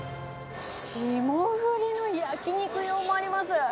霜降りの焼き肉用もあります。